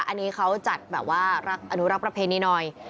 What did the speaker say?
อันนี้เขาจัดแบบว่าอนุรักษ์ประเพณีหน่อย